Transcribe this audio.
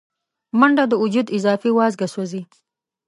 منډه د وجود اضافي وازګه سوځوي